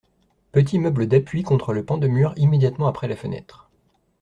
Petit meuble d'appui contre le pan de mur immédiatement après la fenêtre.